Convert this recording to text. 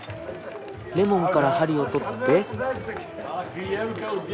レモンから針を取って。